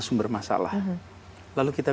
sumber masalah lalu kita